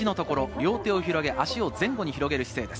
両手を広げ、足を前後に広げます。